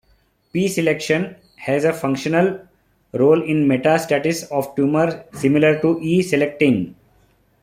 P-selectin has a functional role in metastasis of tumor similar to E-selectin.